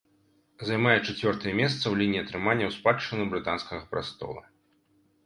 Займае чацвёртае месца ў лініі атрымання ў спадчыну брытанскага прастола.